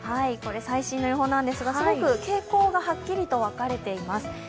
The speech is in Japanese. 最新の予報ですが、傾向がはっきりと分かれています。